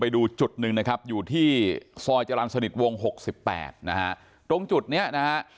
ดูนะฮะ